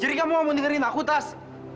jadi kamu mau dengerin aku tas